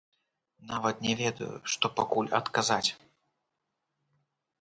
Нават не ведаю, што пакуль адказаць.